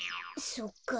そっか。